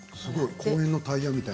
公園のタイヤみたい。